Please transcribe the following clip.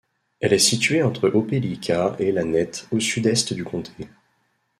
Elle est située entre Opelika et Lanett au sud-est du comté.